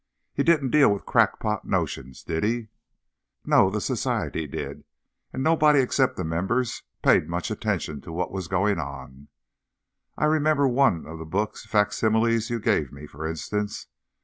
He didn't deal with crackpot notions, did he?_ No, the Society did. And nobody except the members paid much attention to what was going on. _I remember one of the book facsimiles you gave me, for instance.